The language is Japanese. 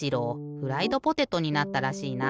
フライドポテトになったらしいな。